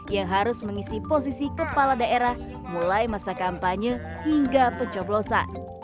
yang harus mengisi posisi kepala daerah mulai masa kampanye hingga pencoblosan